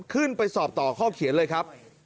ขึ้นไปสอบต่อข้อเขียนเลยครับ